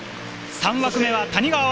３枠目は谷川航。